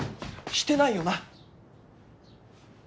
してないよ！